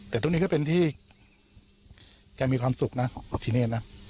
แต่ตรงนี้ก็เป็นที่แกมีความสุขนะกับที่เนธนะ